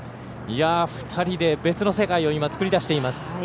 ２人で別の世界を今作り出しています。